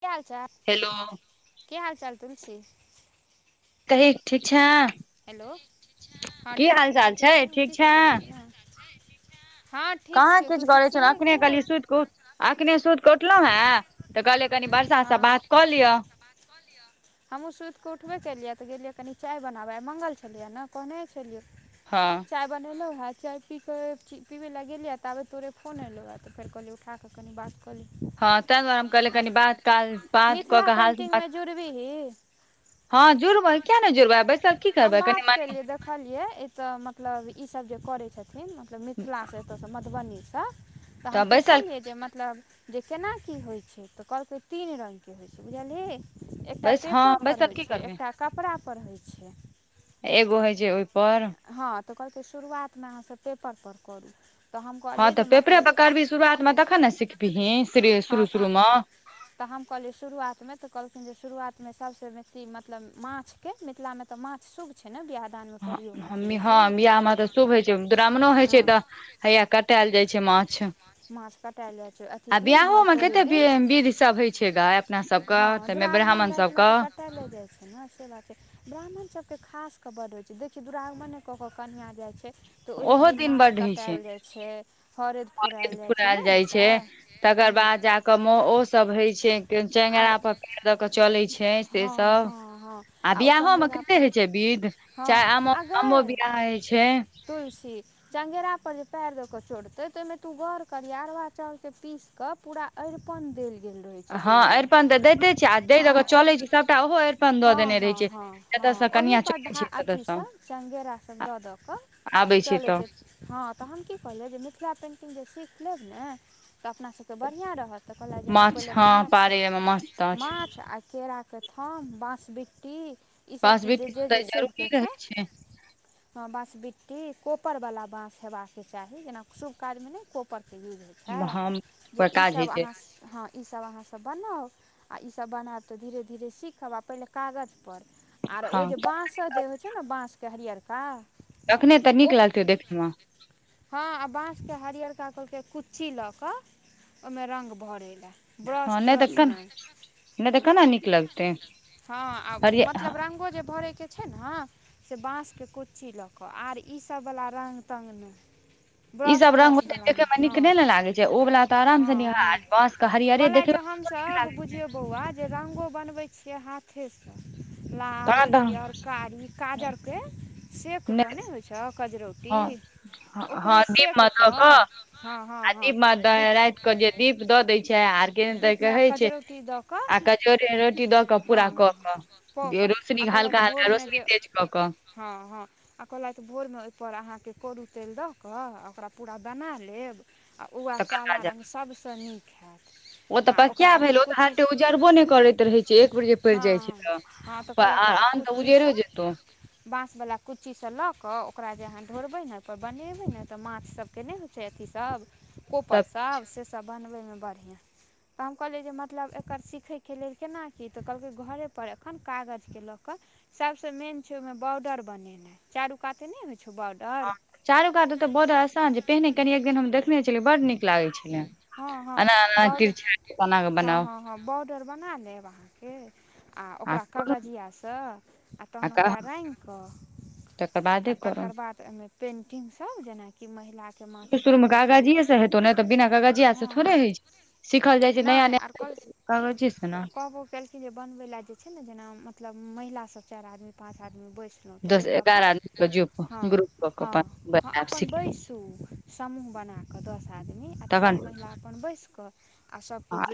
की हालचाल, हेलो की हालचाल तुलसी। कही ठीक छैंय। हेलो हाँ ठीक छी तू चाल ठीक छै छा ने, की छै सब करै छीये। कहाँ किछ करै छिये, अखने की कहली हाल सुत के, अखने सुत के उठलौं हैं तऽ कहलिये कनि बरसा से बात कऽ लियो। हमहुँ सुत केऽ उठबे केलियै तऽ गेलिया कनी चाय बनाबै, आय मंगल छलियै ने कहने छलियै, हँ चाय बनेलौ हय। चाय पी के ची पीबै लय गेलियै ताबे तोरे फोन एलौ आ तऽ फेर कहलियै उठा के कनि बात कऽ ली हाँ ताय दुआरे हम कहले कनि बात काय बात कऽ मिथिला के हाल पेन्टिंगमे समाचा जुड़बिही हाँ जुड़बे क्या ने जुड़बे बैसल की हम करबै कनि बात मनी केलियै देखलियै इ तऽ मतलब इ सब जे करै छै थिन, मतलब मिथिला से एता से मधुबनी से तऽ हम पुछलियै जे मतलब जे केना की होय छै, तऽ कहलकै तीन रंग के होय छै बुझलही एकटा बैस हँ पेपर बैसल पर होय की छै, करबै एकटा कपड़ा पर होय छै एगो होय छै ओय पर हँ तऽ कहलकै शुरुआत मे अहाँ सब पेपर पर करू। तऽ हम हॅं कहलियै तऽ जे पेपरे मतलब पर करबी शुरुआतमे तखन ने सिखबीही श्री हँ शुरू तऽ शुरू म। तऽ हम कहलियै शुरुआतमे तऽ कहलखिन जे शुरुआत मे सबसे बेसी मतलब माछ के मिथिला मे ते माछ शुभ छै ने बियाह दानमे हाँ प्रयोग होइ छै हम बेसी हाँ बियाह मे ते शुभ होय छै, दुरागमनों होय छै हँ तऽ हैया कटैल जाय छै मा माछ। माछ माछ कटायल जाइ छै अथी आ दिन बियाहो मे भरफोरी कते वि दिन विध सब होय छै गै अपना सबके हँ तैमे दुरागमन राइत मे ते कटैले जाय छै ने से बात छै, [unintelligible] ब्राह्मण सबके खास क बड होय छै, देखिही दुरागमने कऽ कऽ कनिया जाय छै। तऽ ओही ओहो दिन माछ बड्ड होइ कटाएल जाय छै, हरैद फोड़ाएल जाय छै, ने होय छै। तकर हूँ बाद जा कय म ओ सब होइ छै, तेल आर चेंगेरा पर पैर द के चलै छै, से सब हां, आ ओते- बियाहो मे कते होइ छै बिध, चाहे आममौह आममौह बियाह होइ छै। कोइशीश चंगेरा पर जे पएर द क चढतै त ओहिमे तु गौर करिया अरबा चाउरके पीस क पुरा अरि पन देल गेल रहै छै हां गोल गोल अरिपन त दैते छै आ जै द हँ क चलै छै सबटा ओहो अरिपन द देने रहै छै। हां हां, जतयसँ ओहि कनिया पर चलै धा अथी ततयसँ आ छै चंगेरा सब द द क हं आबै चलै तऽ छै, हां तखन की कहलियै जे मिथिला पेन्टिंग जे सीख लेब ने त अपना सबके बढ़िया रहत। त कहलैथ जे हां माछ पहिले हँ पारे माॅंछ, मे माछ ताछ माॅंछ आ केरा के थम, बांसबिटी बाॅंसबीट्टी सब त जरूरी रहय छै। हां, बसबिट्टी, कोपर वला बांस हेबाके चाही, जेना शुभ काज मे नै कोपर के युज होइ छै, हम जे पर इ काज होइ सब छै अहां सीखा इ सब अहां सब बनाउ, आ इ सब बनायब त धीरे धीरे सीखब आ पहिले कागज आर हँ ओ जे बांस जे होइ छै ने बांस के हरियरका तखने तऽ नीक ओह, लागतै देखैमे हां आ बांस के हरियर कका कहलकै कुच्ची लऽ क ओहिमे रंग भरै लय हां नहि त केना, नहि त केना नीक लगतै हँ आ हरिय मतलब रंगो जे भरै छै छै न, से बांस के कुच्ची ल क, आब इ सब वला रंग तंग नहि ई ब्रस सब रंग त्रस ओते बला देखे नै मे हम नीक हां नहि ने लागे छै ओ वाला तऽ आराम से निहा हां-हां, बाँस के हरियरे देखे कहलैथ जे मे हम हम सब बुझियो बौआ जे रंगो बनवै छिये हाथे से लाल, पियर, कारी काजर के सेक क नहि होइ छौ कजरौटी, हँ हँ ओकरे दीप सेक मे क, दऽ कऽ हां हां दीप मे दै रात के जे दीप द दै छै आर केहेन त दीपमे कहे छै, कजरौटी दऽ कऽ आ कजरौटी रोटी द क पूरा क क पौ क, आ कहलैथ भोर मे जे, कऽ कऽ हां हां आ कहलथि भोरमे ओहिपर अहांके करु तेल द क आ ओकरा पूरा बना लेब आ वैह तकर काला बाद रंग सबस नीक हैत। ओ त आ ओकरा पकिया अथी भेल, ओ तऽ कुच्ची एते उजरबो नहि करैत रहै छै, एक बेर जे परि जाइ छै त हां त कहलके कुची से, बांसवला कुची से ल क ओकरा जे अहा ढोरबै ने त बनेबै ने त माछ सबके नहि होइ छै अथी सब कोपर सब, से सब बनबय मे बढ़ियां, त हम कहलियै जे मतलब एकर सीखय के लेल केना कि, त कहलकै घरे पर पर एखन कागज के ल क, सबसे मेन छै ओहि मे बॉर्डर बनेनाइ, चारू काते नै होय छै हं, चारु कात त बार्डर असान छै, पहिने कनी एक दिन हम देखने छलियै बड नीक लागै छै। हां हां, बड बना कऽ हां बनाउ हां हां बॉर्डर बना लेब अहां के आ ओकरा कगजिया से, आ तखैन ओकरा रंगि क तकर आ बादे तकर करब बाद ओहिमे पेंटिंग सब जेना कि महिला सुरु सुरु में कागजिये से हेतै ने, त बिना कगजिया से थोड़े होइ छै। सीखल जाइ छै नै नया नया आर कह, कागजे से ने आ कहबो केलखिन जे बनबै ले जे छै ने जेना मतलब महिला सब चारि आदमी पांच आदमी बैस के दस एगारह आदमी सं जे हां हां हां अपन सिखब बैसु, समुह बना क दस आदमी तखन सब महिला अपन बैस क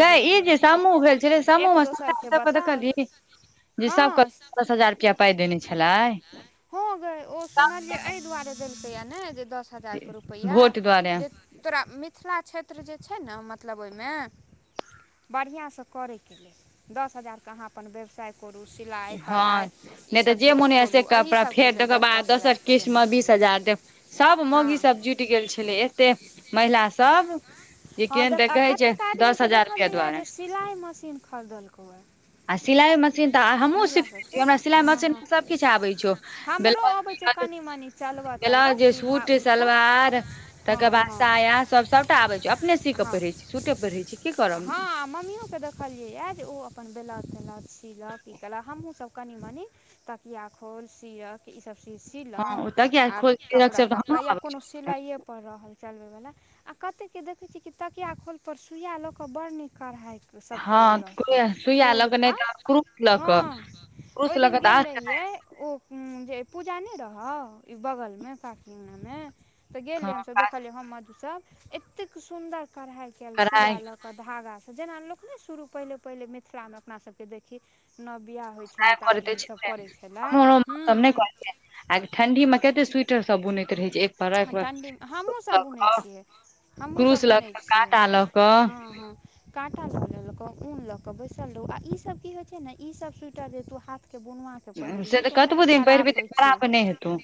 गै, इ जे समुह भेल छलै, समुह एक में दोसरके सबके बताउ देखलही जे हँ सबके, दस हजार रुपआ पाइ देने छलै। हां गै, ओ सुनलियै एहि दुआरे देलकै देलकैये ने दस हजार के रूपैया, भोट दुआरे जे तोरा मिथिला क्षेत्र जे छै ने मतलब ओईमे बढ़ियाँ सँ करयके लेल, दस हजारके अहाँ अपन व्यवसाय करू, सिलाई, हँ कढ़ाइ नहि तऽ ईसभ जे चीज मोन होइय से खोलु, एहि कपड़ा सबके लेल दस दस हजार के देने छलै। दै देब, सब हँ मौगी सब जुटि गेल छलै एते महिला सब। जे हँ केहन तऽ देख, आ कहै छै कतेक दस आदमीके हजार रुपआ देखलिए दुआरे जे सिलाइ मशीन खरीदलकौए। आ सिलाई मशीन त हमहुँ सिखने सभके छियै, हमरा सिलाई हँ मशीन हँ मे सब किछु आबै छौ हमरो अबै छै ब्लाउज कनि मनि चलबऽ तलबऽ ब्लाउज, सीधा सूट उल्टा सलवार, हँ तकर बाद हँ साया सब सबटा आबइ छै अपने सी क हँ पहिरै छी, सुूटे पहिरै छी की करब। हँ मम्मियोके सियै के कला, हमहुँ सब कनी मनी तकिया खोल, सियके ई सब हँ सिलऊँ ओतऽ किया आब खोज केलक कपड़ा से तऽ तपड़ा हमरो या आबै कोनो छै सिलाइए पर रहल चलब आ कत्ते के देखे छी की तकिया खोल पर सुईया ल क बड़ नीक कढ़ाई सब करने रहतौ हँ सुइया लऽ फूल- कऽ नहि फाल। तऽ क्रूस लऽ कऽ हँ, क्रूस ओई लऽ दिन कऽ तऽ गेल रहियई [inaudible] पूजा नहि रहर ई बगलमे काकी अंगनामे त गेल हँ रहियई हमसब काज देखलियै हम मधु सब एत्तेक सुन्दर कढ़ाई कैल कढ़ाइ सुइया ल क धागा जेना लोक नै शुरू पहिले पहिले मिथिलामे अपना सबके देखै छी। नै करैत अछि तें, छलै हम आर त हूँ नै हूँ करै छै आ ठंढीमे केते स्वीटर सब बुनैत रहैत छै एक पर एक पर ठण्ढीमे हमहूं सभ लऽ बुनै कऽ छियै, हमहूँ सभ क्रूस लऽ बुनै कऽ छियै। काँटा लऽ कऽ हँ हँ। काँटा ल लेलक ऊन ल क बैसल रहू आ ईसब की होइ छै ने ई सब स्वीटर जे तू हाथ से त कतबो दिन पहिरबै त होइ छै खराब नहि हेतै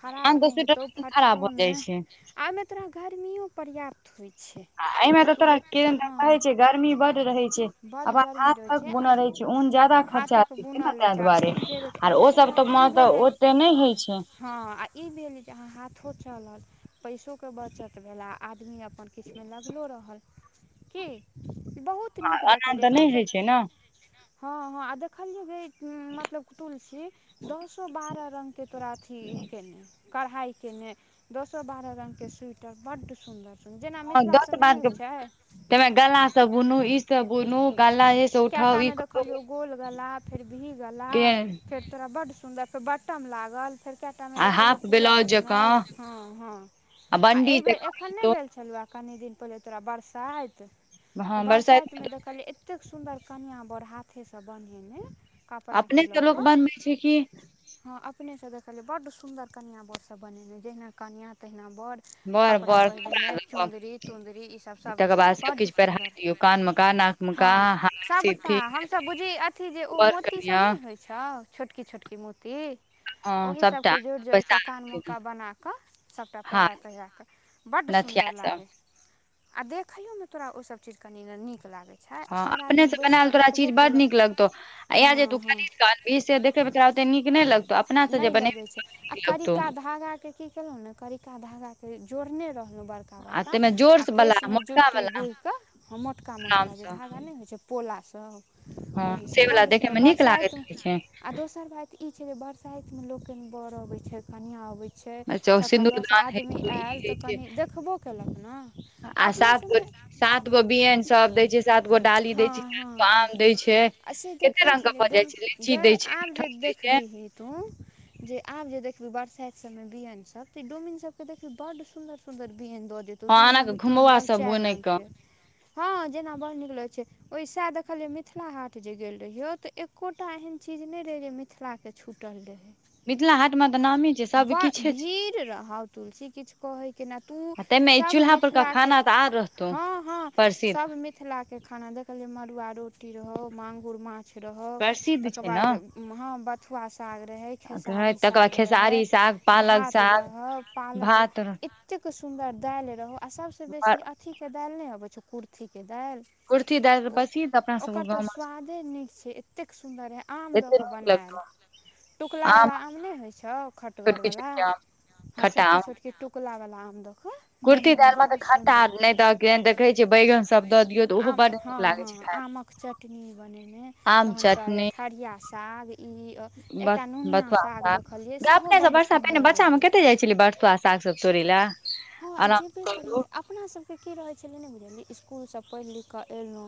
खराब आन नहि सब हेतौ स्वीटर फटतौ खराब आ जाइ छै ओईमे तोरा गर्मियो पर्याप्त होई छै। एईमे त तू तोरा जे केहन दन हँ रहे छै गर्मी बड रहे छै बड्ड अपन गर्मी रहै हाथक छै आ बुनल रहे छै ऊन जादा खर्चा हाथक होईछै ने बुनल रहै तैं छै आ दुआरे ऊन जे रहै छै आ आर ओ दोसर सब बात त ई मे त भेलै ओते नई होई छै। हँ आ ई भेल जे अहाँ हाथो चलल पैसोके बचत भेल आ आदमी अपन किछमे लगलो रहल की बहुत नीक एना तऽ देखलियै नहि होइ तऽनसभ छै ने [unintelligible] हँ हँ आ देखलियै जे ई हुं मतलब तुलसी दसो बारऽ रंग के तोरा अथी के कढ़ाई केने दसो बारह रंग के स्वेटर बड्ड सुंन्दर जेना मिथिला सबमे नै होइ छै तईमे गला स बुनु ई सब बुनू गलाएस उठाऊ ई कएटामे करू देखलियौ गोल गला फेर वी गला के फेर तोरा बड्ड सुन्दर फेर बट्टम लागल फेर केएटा मे आ देखलियो हाफ पूरा ब्लाउज जकाँ हँ हँ आ बंडी एई बेर जकाँ एखन नई भेल छलऊए कनी दिन पहिल तोरा बरसाइत तऽ बरसाइत मे देखलियई एत्ते एत्तेक सुन्दर कनिआँ बर हाथेसँ बनेने कपड़ाके अपने लऽ स लोक कऽ बनबै छै कि। हँ अपनेसँ देखलियै बड्ड सुन्दर कनिआ बड़ सभ बनेने जहिना कनिया तहिना बर बड़ कपड़ा बड़ पहिरेने कपड़ा लऽ कऽ चुन्दरी तुन्दरी ईसभ सब तकर बाद चीज बड्ड सबकिछु पहिरा सुन्दर। दियौ कान मे कान नाक मे कान हँ, हाथ सभटा सिथि हमसभ बुझहि अथी जे ओ वर कनिया मोतीसभ नई होई छौ छोटकी छोटकी मोती हं सबटा पैसाक खेल का बनााकऽ सभटा पहिरा तहिरा कऽ बड्ड सुन्दर नथिया सब लागै आ देखईयो मे तोरा ओसभ चीज कनि नै नीक लागै छै आ हँ चारि अपने आदमी से बैसि बनायल कऽ तोरा चीज देखबो बड केलक नीक लगतौ आ यैह हँ जे तू हँ खरीद कऽ अनभी से देखई मे तोरा ओते ते नीक नई लगतौ अप नई लगै छै आ करिका धागाके की केलहुँ ने करिका धागाके जोड़ने रहल बड़का आ बड़का ताहिमे जोर आ वाला केशमे मोटका जुट्टी वाला गूहिके हं मोटका आराम मोटका जे सँ धागा नहि होइ छै पोला हँ सेवला देखयमे नीक लागैत बरसाइतमे रहै आ छै। दोसर बात ई छैय जे बरसाइतमे लोक कनि बर अबैत छैय कनिआ अबैत छैय। छै अच्छा ओ सभटा दस सिन्दूरदान होइ आदमी छै ई आयल होइ तऽ छै कनि देखबो केलक ने आ अपना सात गो सभमे सात गो बियन सब दै छै सात गो डाली दै छै सात गो आम दै छै। आ से कते देखने रंग के छलीयै भऽ जाइ छै गै लीची गै दै छै आब जे कटहल दै छै देखबिही तूँ आब जे देखबी बरसाइत सब मे बियन सब त ई डोमिन सब के देखबी बड्ड सुंदर सुंदर बियैन द देतौ हँ दू एना के रंग तीन घुमौआ रंग, सब चाइर बुनै कऽ रंगके हँ जेना बड़ निक लगै छै ओहि सएह देखलियै मिथिला हाट जे गेल रहियौ तऽ एक्को टा एहेन चीज नहि रहै जे मिथिलाके छुटल रहै। मिथिला हाट मे तऽ नामी छै ब सबकिछे छै भीड़ रहउ तुलसी किछु कहै के नै आ तू ताहिमे ई सब चूल्हा परका मिथिलाके खाना तऽ आर रहतौ हँ हँ प्रसिद्ध सब मिथिलाके खाना देखलियै मड़ुआ रोटी रहौ मांगुर माॅंछ रहौ प्रसिद्ध तकर छै ने बाद उम्म हम ब साग रहै खेसारी तकर बाद साग रहै खेसारी साग पालक भात साग रहौ पालक रह भात एत्तेक सुन्दर दाइल रहौ आ सभसँ बेसी अथीके दाइल नहि अबै छौ कुर्थीके दाइल कुर्थी दालि ओ बसी तऽ अपना सबके ओकर तऽ गाँवमे स्वादे नीक छै एत्तेक सुन्दर रहइ आम एते दऽ कऽ नीक बनाएल लगतौ टुकलावला आम नहि होइ छौ छोटकी खटगरवला छोटकी आम हँ खट्टा छोटकी आम छोटकी टुकुलावला आम दऽ कऽ कुर्थी बनेने दालि मे बड्ड तऽ खट्टा सुन्दर नहि दऽ देखै छियै बैगन सब दऽ दियौ तऽ ओहो आम बड हँ नीक लागै हँ छै खाय मे आमक चटनी बनेने आम तहन स आइ येह ठढ़िया साग ई बथ एकटा नुनिया बथुआ देखलियै साग गै सेहो अपने सब बड्ड बर्षा पहिने सुन्दर बच्चामे रहै केत्ते जाइ छलियै बथुआ साग सब तोड़ तोडैले हँ आ जेबे करियै, अपना सबके की रहै छलै नै बुझलही स्कुलसे पैइढ- लिख के एलहुँ।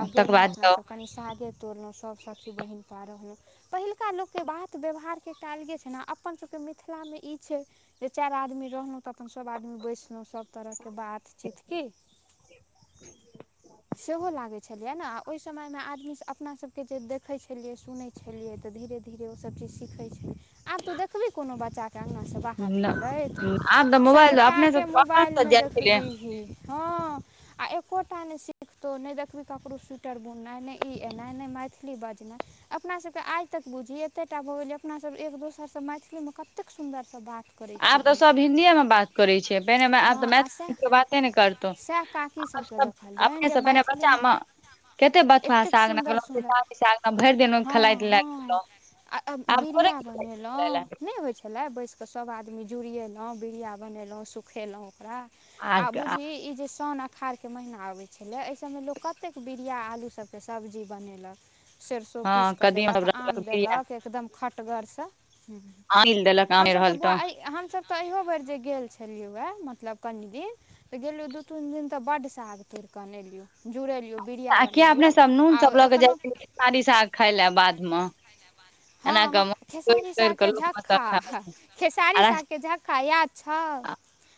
आब तकर गेलहुँ बाद जाउ अपनासभ कनि सागे तोड़लहुँ सभ सखी बहिनपा रहलहुँ पहिलुका लोक। के बात व्यवहारके एकटा अलगे छै ने, अपन सबके मिथिला में ई छै जे चाइर आदमी रहलहुँं तऽ अपन सब आदमी बैसलहुँ सब तरहके बातचीत की। [inaudible] सेहो लागै छलियै ने, आ ओइ समयमें आदमीसभ अपना सभके जे देखै छलियै सुनै छलियै तऽ धीरे धीरे। धीरे ओसभ चीज सिखै छलियै, आब तू देखबी कोनो बच्चाकेँ अङ्गनासँ बाहर निकलैत। आब तऽ मोबाइल अपने सब सभटाके मोबाइल बाहर में जाइ छलै देखबिही, हँ आ एक्कोटा नहि सि। तो नहि देखबही ककरो स्वीटर बुननाइ, नहि ई एनाइ नहि मैथिली बजनाइ अपनासभके आइ तक। बुझही एत्ते टा भऽ गेलियै, अपनासब एक दोसरसँ मैथिलीमे कत्तेक सुन्दरसँ बात। करै आब छी तऽ सभ हिन्दीएमें बात करै छै, पहिने मै आब तऽ हँ आओर मैथिली सएह में कोइ बाते नै करतौ। सएह काकी आब सबके सब देखलिअनि जे अपनेसब पहिने मैथिलीमे बच्चामें। केते बथुआ एतेक साग, सुन्दर सुन्दर भरि दिना [unintelligible] हँ खेलाइत धुपाइत हँ रहलौं। आ अ बिरिया बनेलहुँं, नहि होइ छले। नै बैस के सब आदमी जुड़ियेलौं, बिड़िया बनेलौं सुखेलौं। रा आ बुझही ई जे सौन अखाढ़के महिना अबै छलै, एहि सभमें लोक कत्तेक बिर। रिया आलू सबके सब्जी बनेलक, सेरसों पीस हँ कऽ कदीमा देलक सब रखलक आम बिया देलक एकदम। खटगरसँ। आनिल देलक आमे हमसभ तऽ रहल बौआ अहि हमसभ तऽ अहियो बेर जे गेल छलियौए। मतलब कनि दिन तऽ गेल रहियौ, दू-तीन दिन तऽ बड्ड साग तोइड़ कऽ अनने रहियो जुरेलि। आ किया अपनेसब नून सब लऽ कऽ जाइत रहियै, खेसारी साग खाय लए बाध में। हँ, हँ खेसारी सागके लोक मे सब झक्खा, खाय खेसारी सागके झक्खा याद छ। हाँ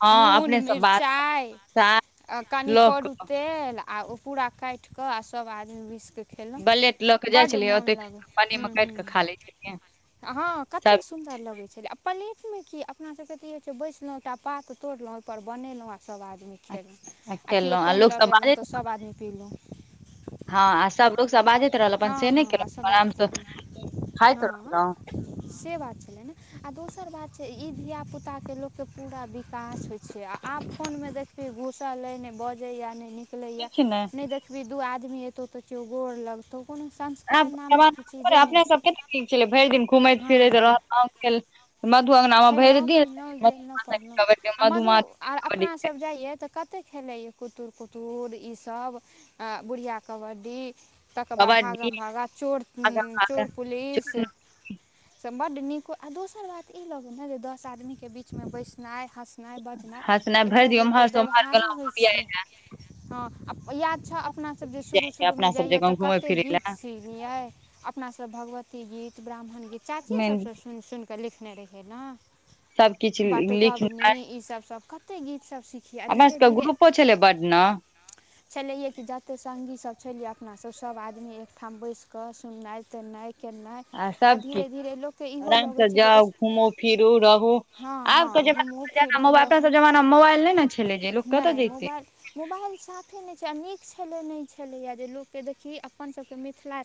हँ नून अपने सब बात मिरचाई साग आ कनि लऽ करू कऽ तेल। आ ओ पूरा काटि कऽ आ सब आदमी बैसि कऽ खेलहुँ, बलेट लऽ के जाइ बड्ड छलियै मोन ओते लागलै। पानी ह्म मे काटि कऽ ह्म खा लै छलियै हँ, आ सब कत्तेक सुन्दर लगै छलै आ। प्लेट में की, अपना सबके तऽ ई होइ छै बैसलहुँ एकटा पात तोड़लहुँ ओहिपर बनेलहुँ आ। सभ आदमी आ खेलहुँ, आ केओ खेलहुँ पानि लोक लऽ सब गेलहुँ बाजैत तऽ सभ आदमी पीलहुँ। हँ आ सभ लोकसभ बाजैत रहल अपन हँ से नहि हँ आ केलौं, सभ अपन बाजैत आरामसँ। रहलहुँ हँ से बात छलै ने, आ दोसर बात छै ई। इ धिया-पुता के लोग के पूरा विकास होय छै, आ आब फोन में देखबे घूसल ले ने बज। जाइया नहि निकलैय, नहि देखबही दू आदमी एतौ तऽ केओ गोर लगतौ। कोनो संस्कार नामक तऽ चीजे नहि अपने सब अच्छे निक छलै, भरि दिन घुमैत-फिरैत रहलौं म। खेलहुँ-पिलहुँ, गेलहुँ, पढ़लहुँ आ मधु मधुमाछी आ कबड्डी अपनासभ जाइए तऽ कतेक। खेलैए कुतर-कुतर इसभ, बुढ़िया कबड्डी। तकर बाद कबड्डी भागम-भागा, चोर, आगाँ आगाँ चोर-पुलिस चूरन सब। बड्ड नीक आ दोसर बात ई लगै ने जे दस आदमीके बीच में बैसनाइ हँस। नाइ, बजनाइ हँसनाइ भरि एकटा दिन लोकके उम्हर से उम्हर व्यवहारो होइ गेलहुँ छै, हँ याद छ। अपना सब जे जाइ छै शुरू-शुरूमें अपना सब जाइयए जकाँ तऽ घुमै कते फिरै गीत लए सीखियै, अपना सब भगवती। भ गीत, ब्राह्मण गीत, चाचीेये मेन सबसँ सुनि- सुनिकऽ लिखने रहिहे ने। सब किछु लिख बटगबनी ई सब, सब कते गीत। सब सीखिये, अपना धीरे- सबके धीरे ग्रुपो छलै बड न छलेये कि जत्ते संगी सब। छलिये अपना सब, सब आदमी एकठाम बैस क सुननाइ-तुनाइ। नाइ, आ धीरे-धीरे लोकके इहो लगैत छै जे ओ। घुमू- फिरू रहू। आबके घुमू जमानामें जेना फिरू मोबाइल, लहू अपनासभ जमानामें मोबाइल नहि ने छलै, जे लोक कतय नहि जइतै। मोबाइल मोबाइल साफे नहि छै, आ नीक छलै नहि छलैए, जे लोकके देखी, अपन सबके मिथिला